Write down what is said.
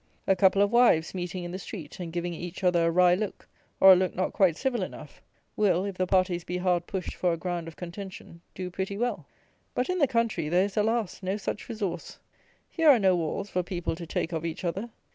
A couple of wives meeting in the street, and giving each other a wry look, or a look not quite civil enough, will, if the parties be hard pushed for a ground of contention, do pretty well. But in the country, there is, alas! no such resource. Here are no walls for people to take of each other.